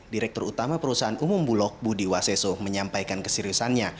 direktur utama perusahaan umum bulog budi waseso menyampaikan keseriusannya